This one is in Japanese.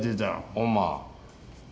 ほんま。